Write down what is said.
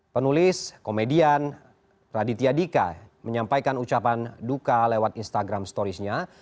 penulis komedian raditya dika menyampaikan ucapan duka lewat instagram storiesnya